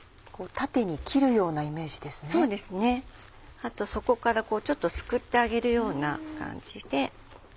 あと底からちょっとすくってあげるような感じで。